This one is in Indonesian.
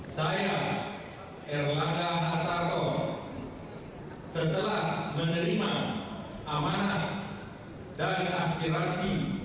saya erlangga hartarto setelah menerima amanat dan aspirasi